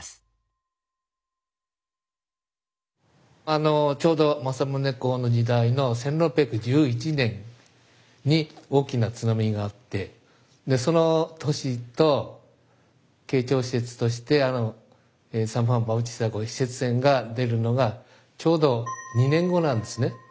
あのちょうど政宗公の時代の１６１１年に大きな津波があってでその年と慶長使節としてあのサン・ファン・バウティスタ号使節船が出るのがちょうど２年後なんですね。